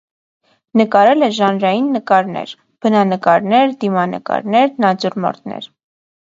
Նկարել է ժանրային նկարներ, բնանկարներ, դիմանկարներ, նատյուրմորտներ։